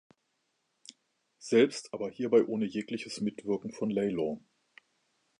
selbst, aber hierbei ohne jegliches Mitwirken von Lay Law.